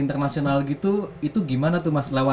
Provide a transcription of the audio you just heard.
internasional gitu itu gimana tuh mas lewat